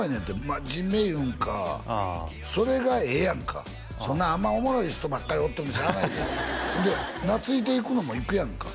真面目いうんかそれがええやんかそんなあんまおもろい人ばっかりおってもしゃあないでほんで懐いていくのもいくやんか